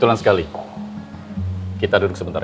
tak ada antara logaritma sama res badala